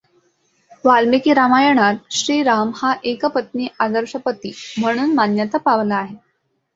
वाल्मिकी रामायणात श्रीराम हा एकपत्नी आदर्श पती म्हणून मान्यता पावला आहे.